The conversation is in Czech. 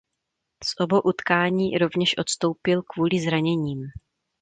Z obou utkání rovněž odstoupil kvůli zraněním.